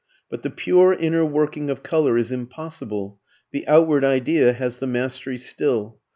But the pure inner working of colour is impossible; the outward idea has the mastery still.